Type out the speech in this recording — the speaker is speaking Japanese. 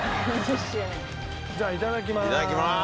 じゃあいただきます。